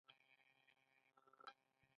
پوست هره ثانیه ملیونونه مړه حجرو له لاسه ورکوي.